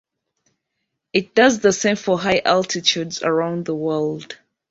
It does the same for high altitudes around the world.